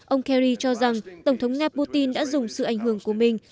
ông kerry cho rằng tổng thống nga putin đã dùng sự ảnh hưởng của mình